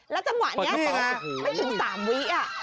แล้วจังหวะนี้ไม่ถึง๓วิ